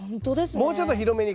もうちょっと広めに。